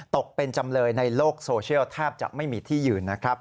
ตกเป็นจำเลยในโลกโซเชียลแทบจะไม่มีที่ยืนนะครับ